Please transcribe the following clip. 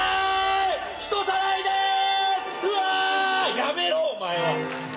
やめろお前は！